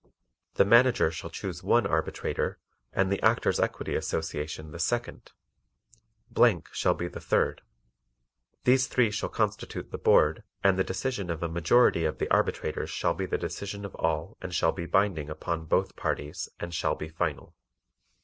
The Manager shall choose one arbitrator and the Actors' Equity Association the second: shall be the third. These three shall constitute the Board and the decision of a majority of the arbitrators shall be the decision of all and shall be binding upon both parties and shall be final.